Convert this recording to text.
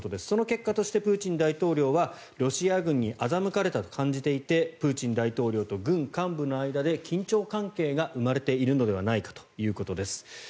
その結果としてプーチン大統領はロシア軍に欺かれたと感じていてプーチン大統領と軍幹部の間で緊張関係が生まれているのではないかということです。